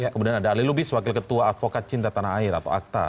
kemudian ada ali lubis wakil ketua advokat cinta tanah air atau akta